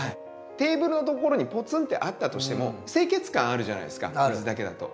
テーブルのところにポツンってあったとしても清潔感あるじゃないですか水だけだと。